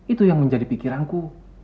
itu yang menjadi pikiranku